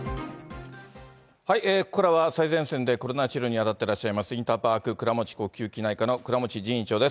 ここからは最前線でコロナ治療に当たっていらっしゃいます、インターパーク倉持呼吸器内科の倉持仁院長です。